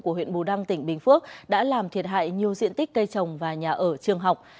của huyện bù đăng tỉnh bình phước đã làm thiệt hại nhiều diện tích cây trồng và nhà ở trường học